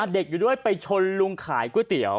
เด็กอยู่ด้วยไปชนลุงขายก๋วยเตี๋ยว